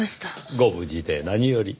ご無事で何より。